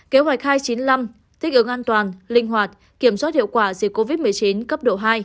kế hoạch hai trăm chín mươi năm thích ứng an toàn linh hoạt kiểm soát hiệu quả dịch covid một mươi chín cấp độ hai